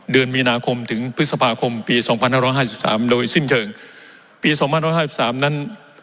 เดือนมีนาคมถึงพฤษภาคมปีสองพันห้าร้อยห้าสิบสามโดยสิ้นเชิงปีสองพันร้อยห้าสิบสามนั้น